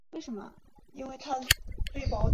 丹阳人。